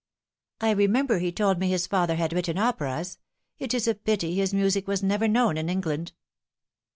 " I remember he told me his father had written operas. It is a pity hie music was never known in England."